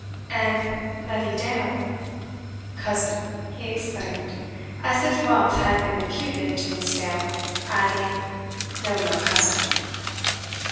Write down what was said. "And Letty Dale?" "Cousin!" he exclaimed, as if wealth had been imputed to Miss Dale; adding: "No male cousin."